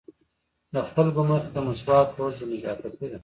د خلکو مخې ته مسواک وهل بې نزاکتي ده.